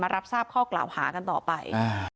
รับทราบข้อกล่าวหากันต่อไป